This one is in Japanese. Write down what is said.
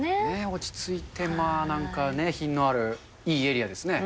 落ち着いてまあ、なんかね、品のあるいいエリアですね。